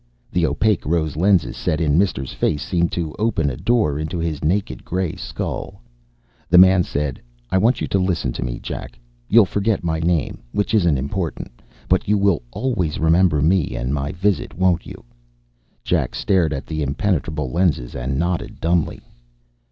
The opaque rose lenses set in Mister's face seemed to open a door into his naked grey skull. The man said, "I want you to listen to me, Jack. You'll forget my name, which isn't important. But you will always remember me and my visit, won't you?" Jack stared at the impenetrable lenses and nodded dumbly.